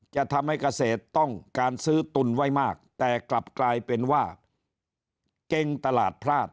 จะทำให้เกษตรต้องการซื้อตุนไว้มากแต่กลับกลายเป็นว่าเกงตลาดพลาด